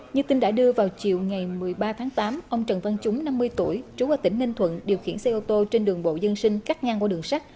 như tin đã đưa vào chiều ngày một mươi ba tháng tám ông trần văn trúng năm mươi tuổi trú ở tỉnh ninh thuận điều khiển xe ô tô trên đường bộ dân sinh cắt ngang qua đường sắt